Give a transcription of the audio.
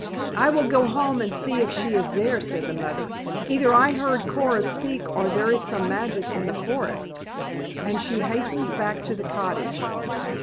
"I will go home and see if she is there," said the mother. "Either I heard Coora speak or there is some magic in the forest." And she hastened back to the cottage.